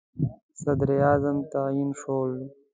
صدراعظم تعیین شول.